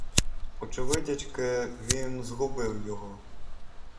Очевидячки, він згубив його.